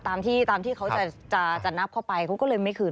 ตามที่เขาจะนับเข้าไปเขาก็เลยไม่คืน